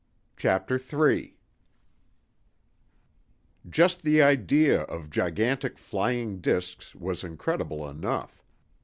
CHAPTER III Just the idea of gigantic flying disks was incredible enough.